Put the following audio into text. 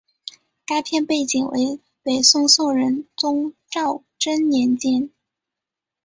该片背景为北宋宋仁宗赵祯年间。